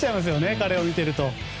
彼を見てると。